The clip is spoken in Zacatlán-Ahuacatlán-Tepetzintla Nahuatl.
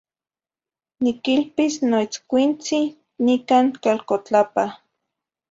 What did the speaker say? Niquilpis noitzcuintzi nican calcotlapa.